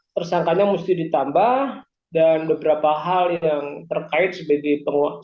tersangka nya mesti ditambah dan beberapa hal yang terkait sebagai luar bowian tuh di tambahan